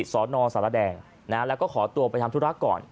สนสารแดงแล้วก็ขอตัวไปทำธุระก่อน